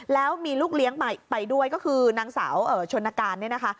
แล้วมีลูกเลี้ยงไปด้วยก็คือนางสาวชนการเนี่ยนะคะ